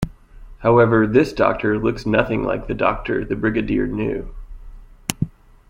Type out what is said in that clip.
However this Doctor looks nothing like the Doctor the Brigadier knew.